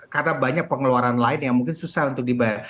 karena banyak pengeluaran lain yang mungkin susah untuk dibayar